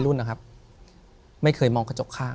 ถูกต้องไหมครับถูกต้องไหมครับ